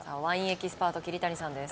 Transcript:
エキスパート桐谷さんです